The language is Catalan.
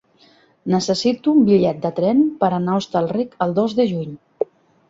Necessito un bitllet de tren per anar a Hostalric el dos de juny.